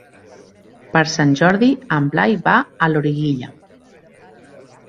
Per Sant Jordi en Blai va a Loriguilla.